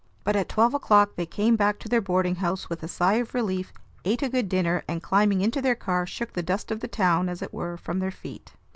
But at twelve o'clock they came back to their boarding house with a sigh of relief, ate a good dinner, and, climbing into their car, shook the dust of the town, as it were, from their feet.